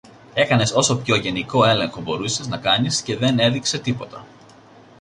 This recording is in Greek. έκανες όσο πιο γενικό έλεγχο μπορούσες να κάνεις και δεν έδειξε τίποτα